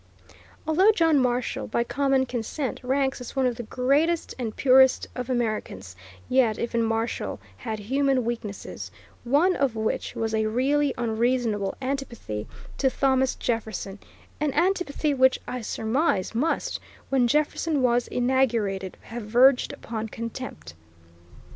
Although John Marshall, by common consent, ranks as one of the greatest and purest of Americans, yet even Marshall had human weaknesses, one of which was a really unreasonable antipathy to Thomas Jefferson; an antipathy which, I surmise, must, when Jefferson was inaugurated, have verged upon contempt.